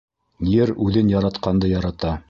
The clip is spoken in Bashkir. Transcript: Ер үҙен яратҡанды ярата.